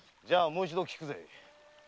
じゃあもう一度聞くぜ。